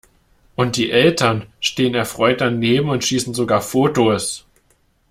Und die Eltern stehen erfreut daneben und schießen sogar Fotos!